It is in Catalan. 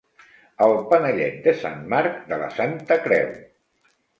El panellet de Sant Marc, de la Santa Creu.